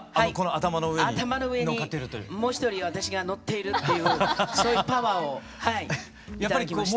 頭の上にもう一人私がのっているっていうそういうパワーを頂きました。